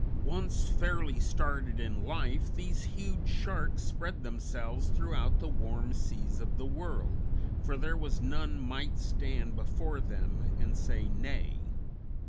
Once fairly started in life, these huge sharks spread themselves throughout the warm seas of the world, for there was none might stand before them and say nay.